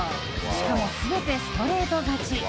しかも全てストレート勝ち。